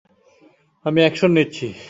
আমি অ্যাকশন নিচ্ছি।